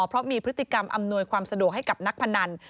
เพราะมีพฤติกรรมอำนวยความสะดวกให้กับนักพนัน